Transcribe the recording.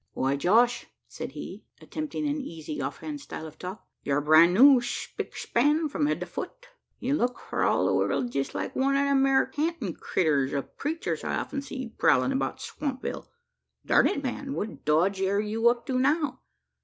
"Why, Josh," said he, attempting an easy off hand style of talk, "ye're bran new, spick span, from head to foot; ye look for all the world jest like one o' them ere cantin' critters o' preechers I often see prowlin' about Swampville. Durn it, man! what dodge air you up to now.